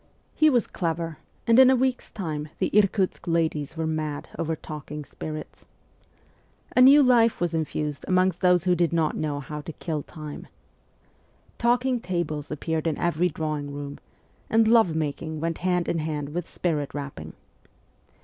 He was 256 MEMOIRS OF A REVOLUTIONIST clever, and in a week's time the Irkutsk ladies were mad over talking spirits. A new life was infused amongst those who did not know how to kill time. Talking tables appeared in every drawing room, and love making went hand in hand with spirit rapping.